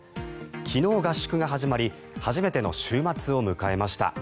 昨日合宿が始まり初めての週末を迎えました。